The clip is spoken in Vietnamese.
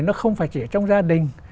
nó không phải chỉ ở trong gia đình